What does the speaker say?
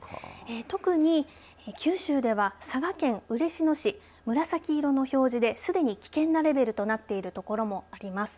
特に九州では佐賀県嬉野市紫色の表示ですでに危険なレベルとなっている所もあります。